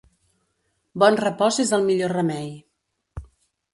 Bon repòs és el millor remei.